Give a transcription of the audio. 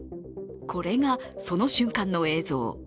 これがその瞬間の映像。